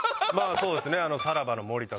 そうですね。